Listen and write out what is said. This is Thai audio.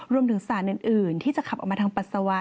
รวมถึงสารอื่นที่จะขับออกมาทางปัสสาวะ